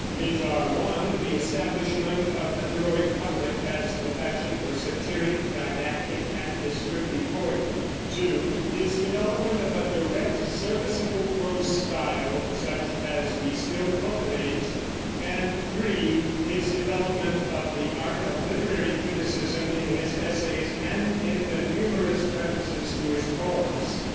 These are: (1) the establishment of the heroic couplet as the fashion for satiric, didactic, and descriptive poetry; (2) his development of a direct, serviceable prose style such as we still cultivate; and (3) his development of the art of literary criticism in his essays and in the numerous prefaces to his poems.